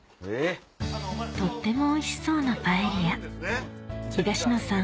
とってもおいしそうなパエリア東野さん